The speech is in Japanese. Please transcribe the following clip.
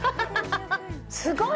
すごい！